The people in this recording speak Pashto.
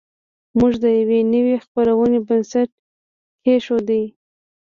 موږ د یوې نوې خپرونې بنسټ کېښود